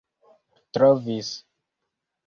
trovis